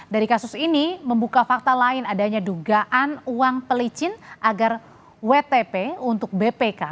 dari kasus ini membuka fakta lain adanya dugaan uang pelicin agar wtp untuk bpk